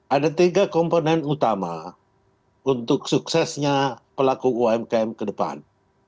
ada tiga komponen utama untuk suksesnya pelaku umkm ke depan